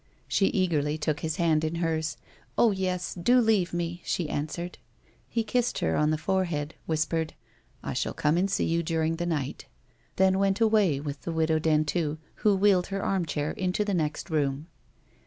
She eagerly took his hand in hers ;" Oh, yes ; do leave me," she answered. He kissed her on the forehead, whispered, " I shall come and see you during the night," then went away with the Widow Dentu, who wheeled her armchair into the next room.